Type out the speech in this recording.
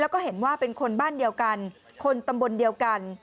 แล้วก็เห็นว่าเป็นคนบ้านเดียวกันคนตำบลเดียวกัน